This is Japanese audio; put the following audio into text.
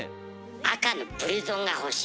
赤のブルゾンが欲しい。